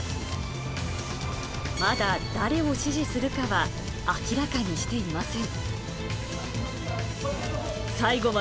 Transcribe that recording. まだ誰を支持するかは明らかにしていません。